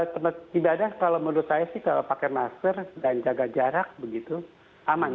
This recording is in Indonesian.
tempat ibadah kalau menurut saya sih kalau pakai masker dan jaga jarak begitu aman